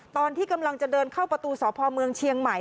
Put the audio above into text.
ตอนที่กำลังจะเดินเข้าประตูสพเมืองเชียงใหม่